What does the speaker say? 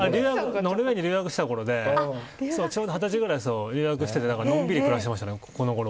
ノルウェーに留学していたことでちょうど二十歳ぐらいに留学してのんびり暮らしてましたね